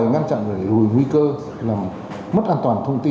mà nó chậm thôi